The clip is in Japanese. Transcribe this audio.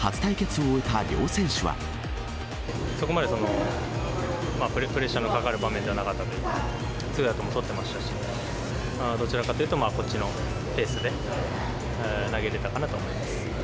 そこまで、プレッシャーのかかる場面ではなかったというか、ツーアウトも取ってましたし、どちらかというと、こっちのペースで投げれたかなと思います。